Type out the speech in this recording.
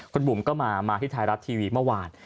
คุณบุ๋มก็มาที่ไทยรัฐทีวีเมื่อวาน